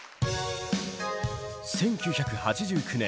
１９８９年